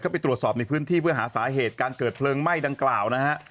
ไปตรวจสอบในพื้นที่เพื่อหาสาเหตุการเกิดเพลิงไหม้ดังกล่าวนะฮะ